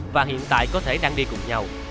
và hiện tại có thể đang đi cùng nhau